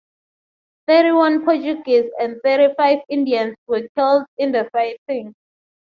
Thirty-one Portuguese and thirty-five Indians were killed in the fighting.